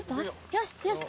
よしよし